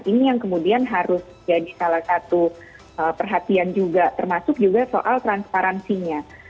ini yang kemudian harus jadi salah satu perhatian juga termasuk juga soal transparansinya